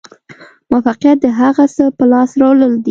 موفقیت د هغه څه په لاس راوړل دي.